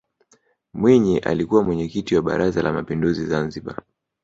mwinyi alikuwa mwenyekiti wa baraza la mapinduzi zanzibar